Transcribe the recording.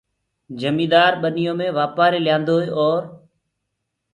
جميندآر ٻنيو مي وآپآري ليآندوئي اور